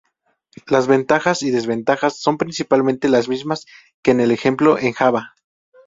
Las ventajas y desventajas son principalmente las mismas que en el ejemplo en Java.